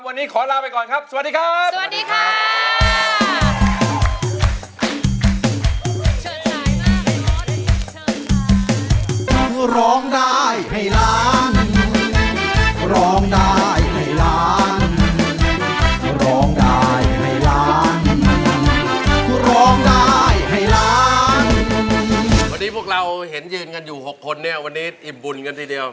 วันนี้พวกเราเห็นเย็นกันอยู่๖คนเนี่ยวันนี้อิ่มบุญกันทีเดียว